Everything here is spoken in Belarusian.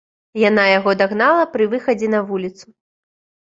Яна яго дагнала пры выхадзе на вуліцу.